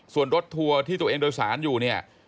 ส่วนรถทัวร์ที่ตัวเองโดยสารอยู่เนี่ย